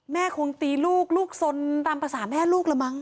คงตีลูกลูกสนตามภาษาแม่ลูกละมั